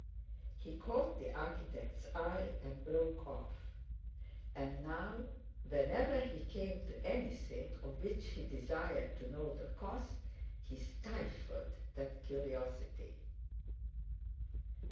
He caught the architect's eye, and broke off. And now, whenever he came to anything of which he desired to know the cost, he stifled that curiosity.